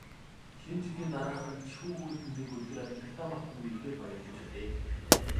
Шинэ жилийн дараахан жихүүн хүйтэн нэг өдөр амьдралдаа мартамгүй ихээр баярлаж билээ.